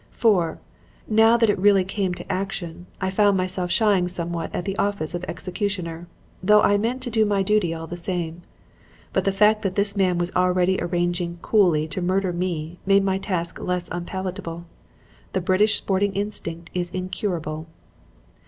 For, now that it really came to action, I found myself shying somewhat at the office of executioner; though I meant to do my duty all the same. But the fact that this man was already arranging coolly to murder me made my task less unpalatable. The British sporting instinct is incurable.